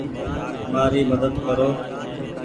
مآري مدد ڪرو ۔